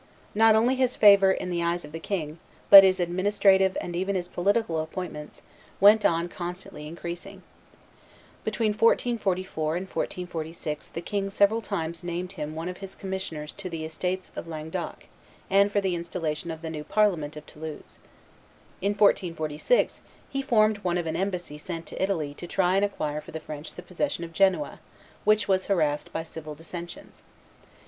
Not only his favor in the eyes of the king, but his administrative and even his political appointments, went on constantly increasing. Between 1444 and 1446 the king several times named him one of his commissioners to the estates of Languedoc and for the installation of the new parliament of Toulouse. In 1446 he formed one of an embassy sent to Italy to try and acquire for France the possession of Genoa, which was harassed by civil dissensions.